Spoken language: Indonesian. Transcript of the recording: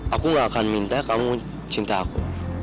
aku gak akan minta kamu cinta aku